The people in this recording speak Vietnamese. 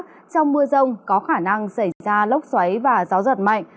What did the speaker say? trong mưa rông có khả năng xảy ra lốc xoáy và gió giật mạnh